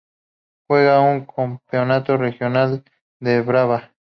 Juega en el campeonato regional de Brava.